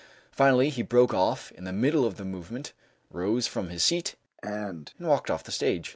Finally he broke off in the middle of the movement, rose from his seat and walked off the stage.